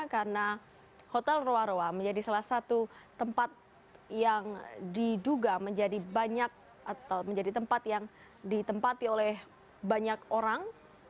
karena hotel roa roa menjadi salah satu tempat yang diduga menjadi banyak atau menjadi tempat yang ditempati oleh banyak orang